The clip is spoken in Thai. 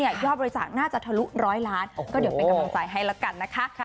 ยอดบริจาคน่าจะทะลุ๑๐๐ล้านก็เดี๋ยวไปกำลังสายให้ละกันนะคะ